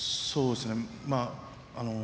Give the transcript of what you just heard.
そうですね。